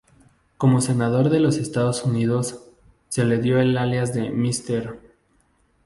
Como senador de los Estados Unidos, se le dio el alias de "Mr.